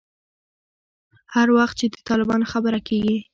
هر وخت چې د طالبانو خبره کېږي.